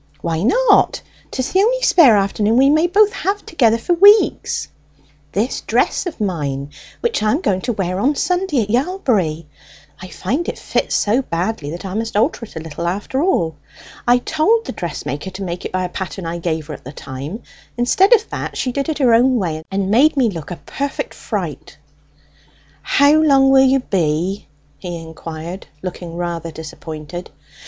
"Why not? 'Tis the only spare afternoon we may both have together for weeks." "This dress of mine, that I am going to wear on Sunday at Yalbury; I find it fits so badly that I must alter it a little, after all. I told the dressmaker to make it by a pattern I gave her at the time; instead of that, she did it her own way, and made me look a perfect fright." "How long will you be?" he inquired, looking rather disappointed.